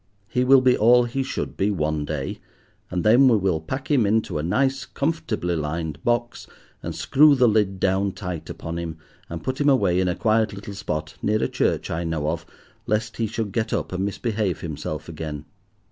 He will be all he should be one day, and then we will pack him into a nice, comfortably lined box, and screw the lid down tight upon him, and put him away in a quiet little spot near a church I know of, lest he should get up and misbehave himself again.